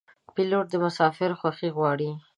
پیلوټ د مسافرو خوښي غواړي.